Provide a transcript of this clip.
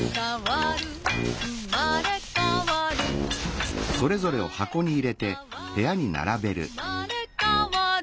「うまれかわるうまれかわる」